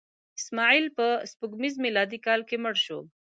اسماعیل په سپوږمیز میلادي کال کې مړ شو.